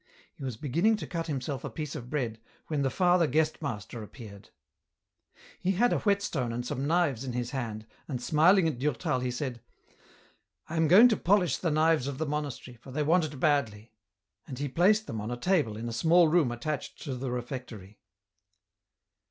He was beginning to cut himself a piece of bread, when the father guest master appeared. He had a whetstone and some knives in his hand, and smiling at Durtal, he said :'* I am going to polish the knives of the monastery, for they want it badly." And he placed them on a table in a small room attached to the refectory.